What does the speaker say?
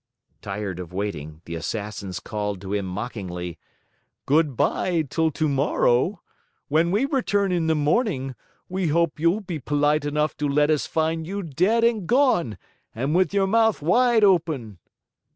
Tired of waiting, the Assassins called to him mockingly: "Good by till tomorrow. When we return in the morning, we hope you'll be polite enough to let us find you dead and gone and with your mouth wide open."